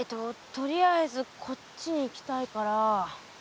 とりあえずこっちに行きたいから。